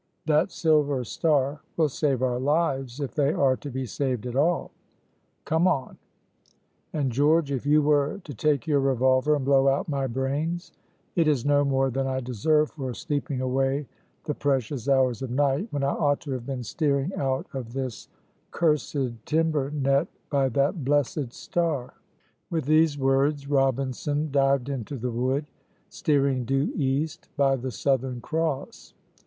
That silver star will save our lives if they are to be saved at all. Come on; and, George, if you were to take your revolver and blow out my brains, it is no more than I deserve for sleeping away the precious hours of night, when I ought to have been steering out of this cursed timber net by that blessed star." With these words Robinson dived into the wood, steering due east by the Southern Cross.